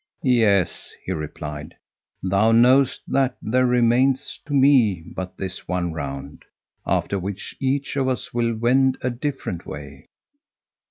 "Yes," he replied, "thou knowest that there remaineth to me but this one round, after which each of us will wend a different way."